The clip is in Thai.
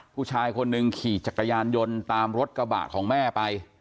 ผู้ชายคนหนึ่งขี่จักรยานยนต์ตามรถกระบะของแม่ไป